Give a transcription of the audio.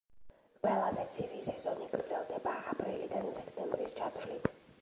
ყველაზე ცივი სეზონი გრძელდება აპრილიდან სექტემბრის ჩათვლით.